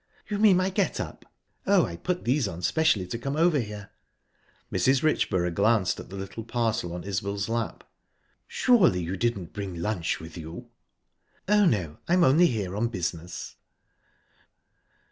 "You mean my get up? Oh, I put these on specially to come over here." Mrs. Richborough glanced at the little parcel on Isbel's lap. "Surely you didn't bring lunch with you?" "Oh, no; I'm only here on business."